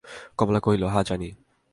কমলা কহিল, হাঁ, জানি।